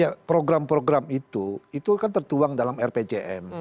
ya program program itu itu kan tertuang dalam rpjm